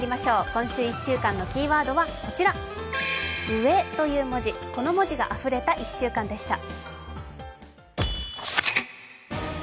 今週１週間のキーワードはこちら「上」という文字、この文字があふれた１週間でした。